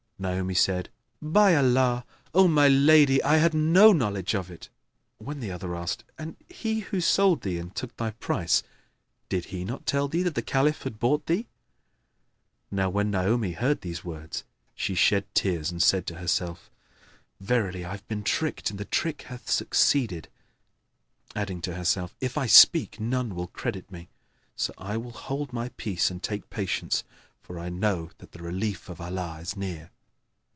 Naomi said, "By Allah, O my lady, I had no knowledge of it!"; when the other asked, "And he who sold thee and took thy price did he not tell thee that the Caliph had bought thee?" Now when Naomi heard these words, she shed tears and said to herself, "Verily, I have been tricked and the trick hath succeeded," adding to herself, "If I speak, none will credit me; so I will hold my peace and take patience, for I know that the relief of Allah is near."